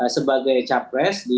sebagai capres di dua ribu empat belas